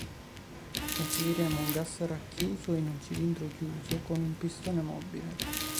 Consideriamo un gas racchiuso in un cilindro chiuso con un pistone mobile.